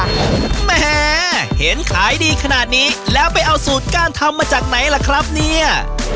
แหมเห็นขายดีขนาดนี้แล้วไปเอาสูตรการทำมาจากไหนล่ะครับเนี่ย